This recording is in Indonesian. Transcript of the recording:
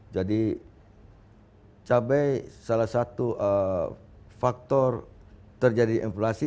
jadi cabai salah satu faktor terjadi inflasi